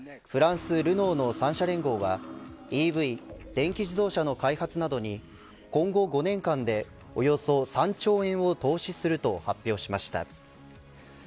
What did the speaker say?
フランス、ルノーの３社連合はＥＶ電気自動車の開発などに今後５年間でおよそ３兆円を投資すると発表しました。